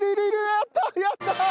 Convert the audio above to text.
やった！